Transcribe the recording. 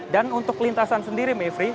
dan untuk kelintasan sendiri mevry